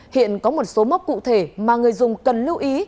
hiện có một số mốc cụ thể mà người dùng cần lưu ý